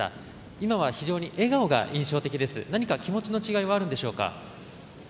今は非常に笑顔が印象的ですが何か気持ちの違いはあるんでしょうか？